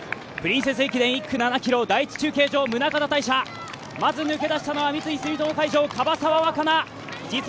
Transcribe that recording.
プリンセス駅伝１区７ｋｍ、第１中継所、宗像大社、まず抜け出したのは三井住友海上・樺沢和佳奈。